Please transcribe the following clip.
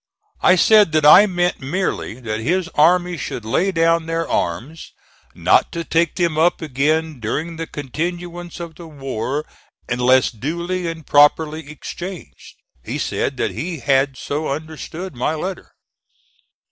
I said that I meant merely that his army should lay down their arms, not to take them up again during the continuance of the war unless duly and properly exchanged. He said that he had so understood my letter.